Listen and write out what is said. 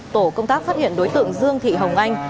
tổ công tác phát hiện đối tượng dương thị hồng anh